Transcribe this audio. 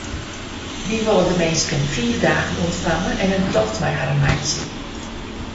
Wy wolle de minsken fiif dagen ûntfange en in tocht mei harren meitsje.